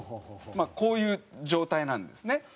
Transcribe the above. まあこういう状態なんですね。